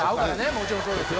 もちろんそうですよ。